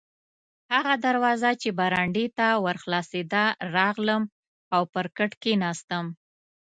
هغه دروازه چې برنډې ته ور خلاصېده، راغلم او پر کټ کښېناستم.